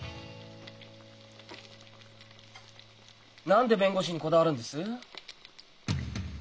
何で弁護士にこだわるんです？